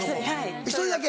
１人だけ？